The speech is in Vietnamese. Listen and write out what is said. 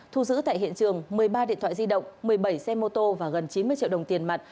thu giữ tại hiện trường một mươi ba điện thoại di động một mươi bảy xe mô tô và gần chín mươi triệu đồng tiền mặt